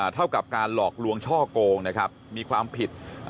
เท่ากับการหลอกลวงช่อโกงนะครับมีความผิด